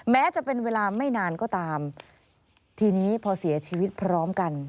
แม้จะเป็นเวลาไม่นานก็ตามทีนี้พอเสียชีวิตพร้อมกัน